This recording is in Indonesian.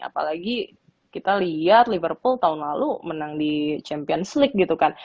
apalagi kita lihat liverpool tahun lalu menang di champions league gitu kan